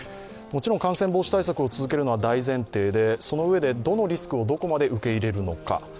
もちろん感染防止対策を続けるのは大前提でそのうえでどのリスクをどこまで受け入れるのか。